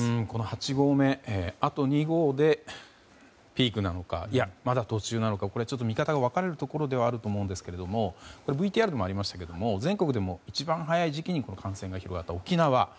この８合目あと２合でピークなのかいや、まだ途中なのかこれはちょっと見方が分かれるところではあると思いますがＶＴＲでもありましたけれども全国でも一番早い時期に感染が広がった沖縄。